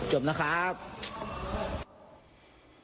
จบนะครับ